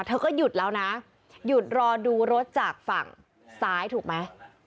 เธอก็หยุดแล้วนะหยุดรอดูรถจากฝั่งซ้ายถูกไหม